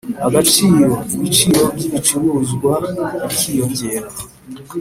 agaciro, ibiciro by'ibicuruzwa bikiyongera...